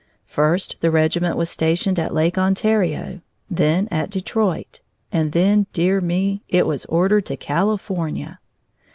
First the regiment was stationed at Lake Ontario, then at Detroit, and then, dear me! it was ordered to California!